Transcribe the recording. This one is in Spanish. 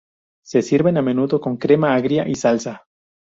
Se sirven a menudo con crema agria y salsa.